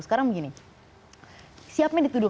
sekarang begini siapnya dituduh